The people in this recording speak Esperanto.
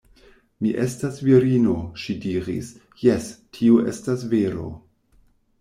Mi estas virino, ŝi diris, jes, tio estas vero.